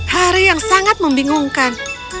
hari yang sangat membingungkan